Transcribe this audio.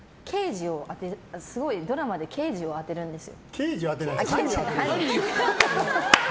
ドラマですごい刑事を当てるんですよ。